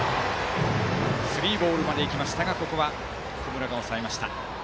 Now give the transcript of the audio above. スリーボールまでいきましたがここは小室が抑えました。